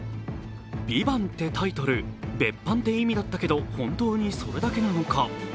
「ＶＩＶＡＮＴ」ってタイトル別班って意味だったけど本当にそれだけだったのか？